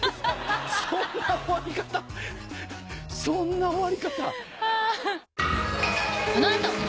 そんな終わり方？